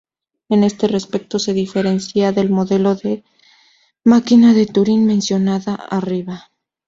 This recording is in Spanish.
En este respecto, se diferencia del modelo de máquina de Turing mencionado arriba.